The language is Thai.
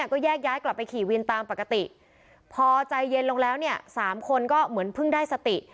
ก็แยกย้ายกลับไปขี่วินตามปกติพอใจเย็นลงแล้วเนี่ยสามคนก็เหมือนเพิ่งได้สติ